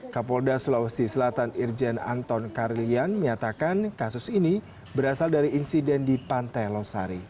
kapolda sulawesi selatan irjen anton karilian menyatakan kasus ini berasal dari insiden di pantai losari